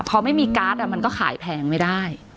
พอไม่มีการ์ดมันก็ขายแพงไม่ได้